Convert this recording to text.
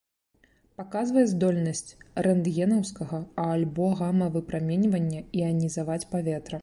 Паказвае здольнасць рэнтгенаўскага альбо гама-выпраменьвання іанізаваць паветра.